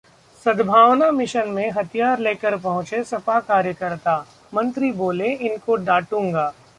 सद्भावना मिशन में हथियार लेकर पहुंचे सपा कार्यकर्ता, मंत्री बोले-इनको डांटूंगा